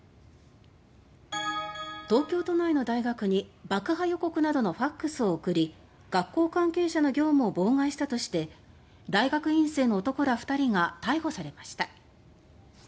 東京都内の大学に爆破予告などのファックスを送り学校関係者の業務を妨害したとして大学院生の男ら２人が逮捕されました。